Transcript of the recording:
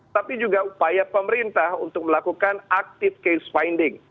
tapi juga upaya pemerintah untuk melakukan active case finding